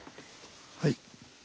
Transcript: はい。